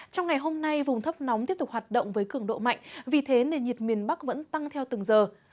trong ngày hôm nay vùng thấp nóng tiếp tục hoạt động với cường độ mạnh vì thế nền nhiệt miền bắc vẫn tăng theo từng giờ